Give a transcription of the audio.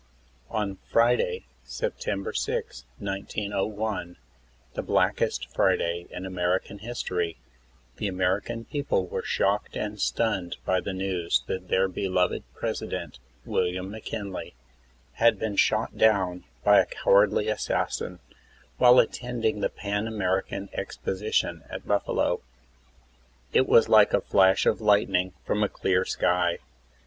On Friday, September 6, 1901, the blackest Friday in American history, the American people were shocked and stunned by the news that their beloved President, William McKinley, had been shot down by a cowardly assassin, while attending the Pan American Exposition at Buffalo. It was like a flash of lightning from a clear sky.